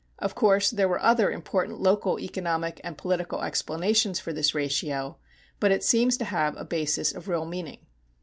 Of course, there were other important local economic and political explanations for this ratio, but it seems to have a basis of real meaning.